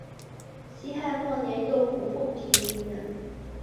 西汉末年右扶风平陵人。